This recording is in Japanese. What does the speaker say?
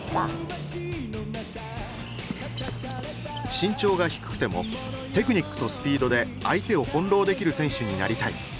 身長が低くてもテクニックとスピードで相手を翻弄できる選手になりたい。